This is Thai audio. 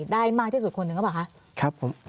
ได้มากที่สุดคนหนึ่งหรือเปล่าคะ